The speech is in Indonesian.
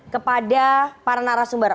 kepada para narasumber